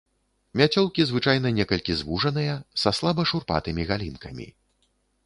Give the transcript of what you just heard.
Мяцёлкі звычайна некалькі звужаныя, са слаба шурпатымі галінкамі.